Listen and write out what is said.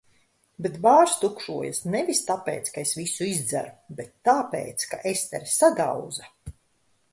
Bet bārs tukšojas nevis tāpēc, ka es visu izdzeru. Bet tāpēc ka Estere sadauza.